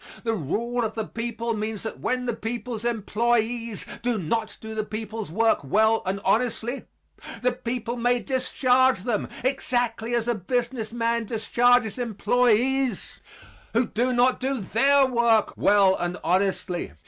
The rule of the people means that when the people's employees do not do the people's work well and honestly, the people may discharge them exactly as a business man discharges employees who do not do their work well and honestly.